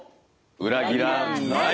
裏切らない！